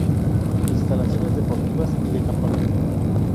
Instalaciones deportivas y de campamento.